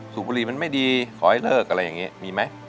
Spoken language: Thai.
บุรีมันไม่ดีขอให้เลิกอะไรอย่างนี้มีไหม